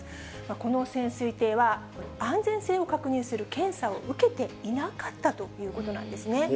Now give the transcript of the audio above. この潜水艇は、安全性を確認する検査を受けていなかったということなんですね。